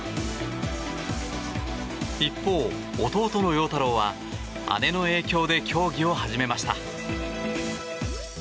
一方、弟の陽太郎は姉の影響で競技を始めました。